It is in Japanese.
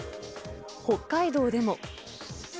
北海道でも。